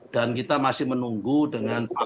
dan kita masih menunggu dengan